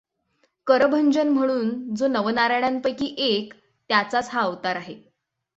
करभंजन म्हणून जो नवनारायणांपैकी एक त्याचाच हा अवतार आहे.